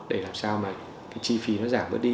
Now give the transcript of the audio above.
để làm sao chi phí giảm bớt đi